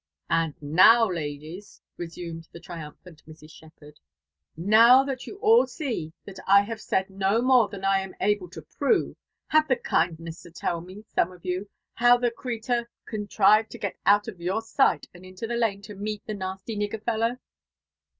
And now^, ladies," restttoed the iritimphant Mfa. Shepherd, ^*' now that you all see that I have said no more than I ^th able (6 prove, have the kindness to tell me, some of you, hoW the cretttf con^ trived to get out of y6ur dight and into that lane ia meel the hasty nigger fellow